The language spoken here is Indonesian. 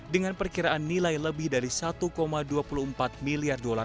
dengan perkiraan nilai lebih dari satu lima miliar dolar